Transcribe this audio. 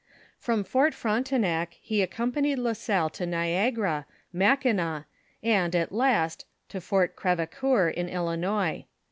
From Fort Frontenac he accompanied La Salle to Niogarn, Mackinaw, and, at last, to Fort Creveemur, in Illinois.